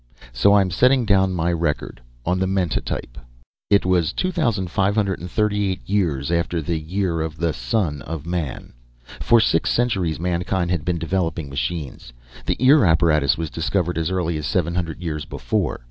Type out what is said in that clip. So I am setting down my record on the mentatype. It was 2538 years After the Year of the Son of Man. For six centuries mankind had been developing machines. The Ear apparatus was discovered as early as seven hundred years before.